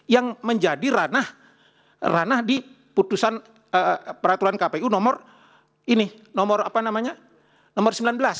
yang menjadi ranah di peraturan kpu nomor sembilan belas